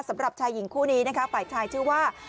สำหรับชายหญิงคู่นี้นะคะฝ่ายชายชื่อว่า